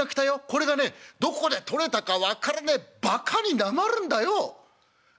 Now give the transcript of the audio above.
これがねどこで取れたか分からねえバカになまるんだよ。